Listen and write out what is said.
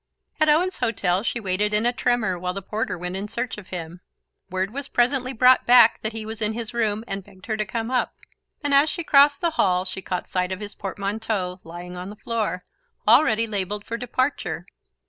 At Owen's hotel she waited in a tremor while the porter went in search of him. Word was presently brought back that he was in his room and begged her to come up, and as she crossed the hall she caught sight of his portmanteaux lying on the floor, already labelled for departure.